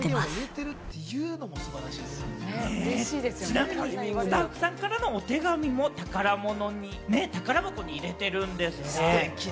ちなみにスタッフさんからのお手紙も宝箱に入れてるんですって！